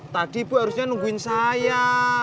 tadi ibu harusnya nungguin saya